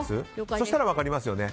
そしたら分かりますよね。